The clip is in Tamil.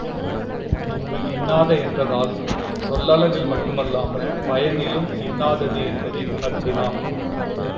இங்கு இன்னாத என்றதால் சொல்லளவில் மட்டுமல்லாமல் பயனிலும் இன்னாதது என்பதை உணர்த்தினார்.